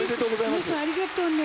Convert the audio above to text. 皆さんありがとうね。